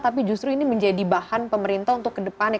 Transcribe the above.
tapi justru ini menjadi bahan pemerintah untuk kedepannya